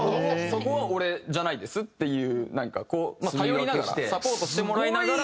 そこは俺じゃないですっていうなんかこう頼りながらサポートしてもらいながら。